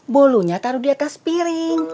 bolunya taruh diatas piring